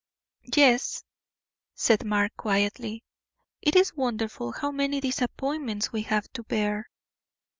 "Yes," said Mark, quietly, "it is wonderful how many disappointments we have to bear."